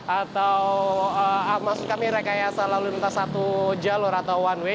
atau maksud kami rekayasa lalu lintas satu jalur atau one way